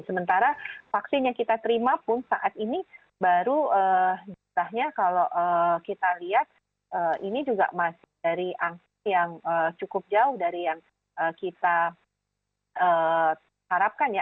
sementara vaksin yang kita terima pun saat ini baru jumlahnya kalau kita lihat ini juga masih dari angka yang cukup jauh dari yang kita harapkan ya